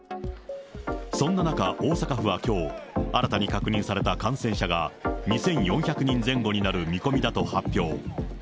そんな中、大阪府はきょう、新たに確認された感染者が２４００人前後になる見込みだと発表。